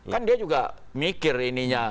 kan dia juga mikir ini ya